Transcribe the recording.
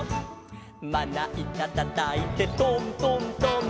「まないたたたいてトントントン」